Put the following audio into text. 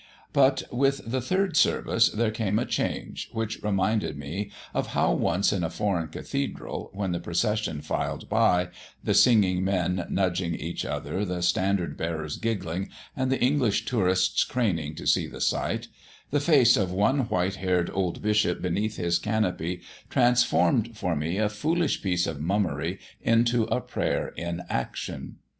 But with the third service, there came a change, which reminded me of how once in a foreign cathedral, when the procession filed by the singing men nudging each other, the standard bearers giggling, and the English tourists craning to see the sight the face of one white haired old bishop beneath his canopy transformed for me a foolish piece of mummery into a prayer in action.